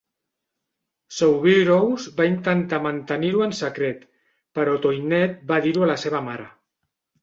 Soubirous va intentar mantenir-ho en secret, però Toinette va dir-ho a la seva mare.